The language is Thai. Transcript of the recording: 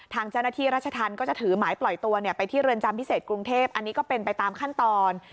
ทางเจ้าหน้าที่รัชธรรมก็จะถือหมายปล่อยตัวไปที่เรือนจำพิเศษกรุงเทพอันนี้ก็เป็นไปตามขั้นตอน